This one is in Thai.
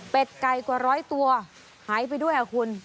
เป็นไก่กว่าร้อยตัวหายไปด้วยคุณ